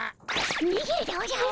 にげるでおじゃる。